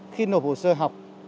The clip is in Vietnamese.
khi nộp hồ sơ học